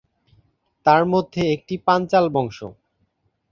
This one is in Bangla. তাঁর মধ্যে একটি পাঞ্চালবংশ।